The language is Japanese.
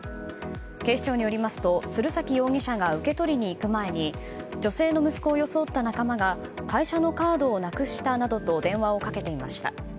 警視庁によりますと鶴崎容疑者が受け取りに行く前に女性の息子を装った仲間が会社のカードをなくしたなどと電話をかけていました。